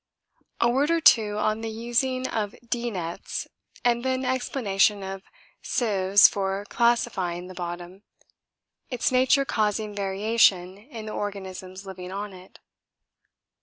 A word or two on the using of 'D' nets and then explanation of sieves for classifying the bottom, its nature causing variation in the organisms living on it.